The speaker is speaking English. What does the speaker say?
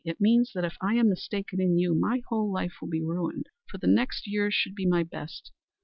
It means that if I am mistaken in you, my whole life will be ruined, for the next years should be my best.